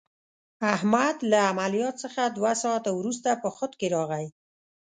احمد له عملیات څخه دوه ساعته ورسته په خود کې راغی.